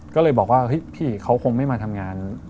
ก็เลยบอกว่าเฮ้ยพี่เขาคงไม่มาทำงาน